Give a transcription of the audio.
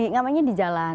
ngamennya di jalan